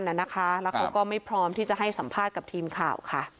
แล้วเขาก็ไม่พร้อมที่จะให้สัมภาษณ์กับทีมข่าวค่ะ